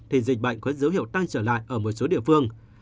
thì dịch bệnh có dấu hiệu tăng trở lại ở một số địa phương